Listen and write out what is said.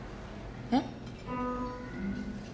えっ？